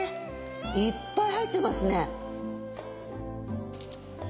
いっぱい入ってますね。